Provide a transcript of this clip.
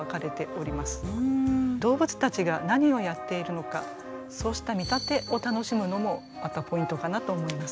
動物たちが何をやっているのかそうした見立てを楽しむのもまたポイントかなと思います。